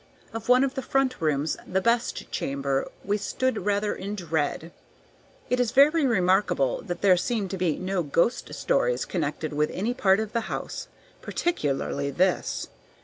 Of one of the front rooms, "the best chamber," we stood rather in dread. It is very remarkable that there seem to be no ghost stories connected with any part of the house, particularly this.